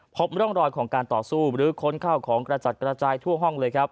พบร่องรอยของการต่อสู้หรือค้นข้าวของกระจัดกระจายทั่วห้องเลยครับ